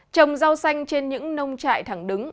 trồng rau xanh trên những nông trại thẳng đứng